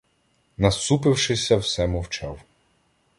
Насупившися, все мовчав